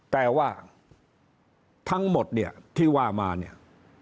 แต่ว่าทั้งหมดเนี่ยที่ว่ามาเนี่ย